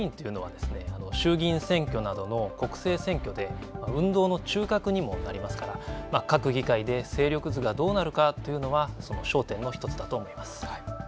また地方議員というのは衆議院選挙などの国政選挙で運動の中核にもなりますから各議会で勢力図がどうなるかというのは焦点の１つだと思います。